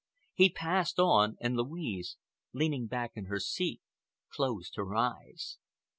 He passed on, and Louise, leaning back in her seat, closed her eyes.